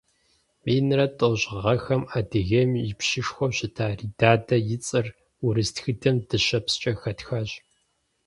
Минрэ тӏощӏ гъэхэм Адыгейм и пщышхуэу щыта Ридадэ и цӏэр урыс тхыдэм дыщэпскӏэ хэтхащ.